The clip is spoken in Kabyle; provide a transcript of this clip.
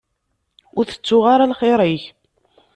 Ur tettuɣ ara lxir-ik.